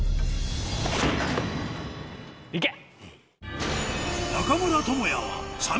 行け！